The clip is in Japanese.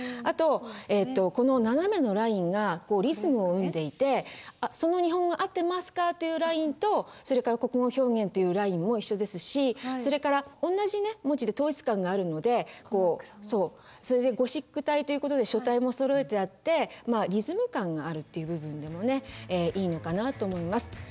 あとこの斜めのラインがリズムを生んでいて「その日本語あっていますか？」というラインとそれから「国語表現」っていうラインも一緒ですしそれからおんなじね文字で統一感があるのでそれでゴシック体ということで書体もそろえてあってリズム感があるという部分でもねいいのかなと思います。